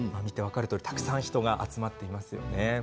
たくさん人が集まっていますね。